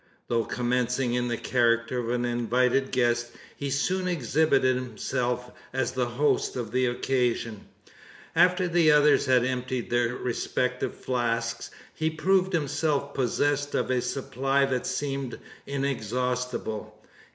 Though commencing in the character of an invited guest, he soon exhibited himself as the host of the occasion. After the others had emptied their respective flasks, he proved himself possessed of a supply that seemed inexhaustible.